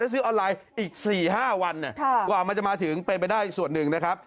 ซื้อออนไลน์อีก๔๕วันกว่ามันจะมาถึงเป็นไปได้ส่วนหนึ่งนะครับ